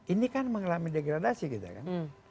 ini kan mengalami degradasi kita kan